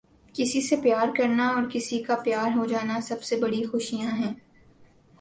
کسی سے پیار کرنا اور کسی کا پیار ہو جانا سب سے بڑی خوشیاں ہیں۔